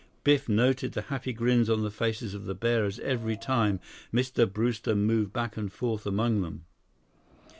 Biff noted the happy grins on the faces of the bearers every time Mr. Brewster moved back and forth among them.